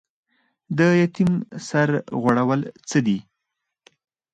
د یتیم سر غوړول څه دي؟